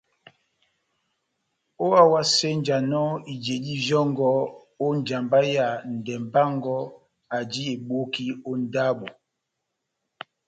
Ohásenjanɔ ijedi vyɔngɔ ó njamba ya ndɛmbɛ wɔngɔ aji eboki ó ndabo.